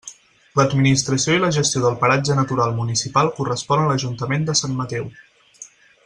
L'administració i la gestió del paratge natural municipal correspon a l'Ajuntament de Sant Mateu.